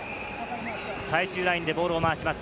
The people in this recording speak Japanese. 最終ラインでボールを回します。